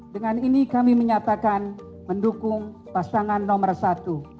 dengan ini kami menyatakan mendukung pasangan nomor satu